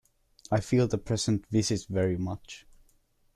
I feel the present visit very much.